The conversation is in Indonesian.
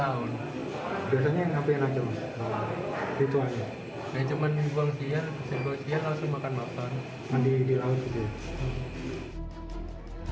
hai cuman dibuang siang siang langsung makan makan mandi di laut juga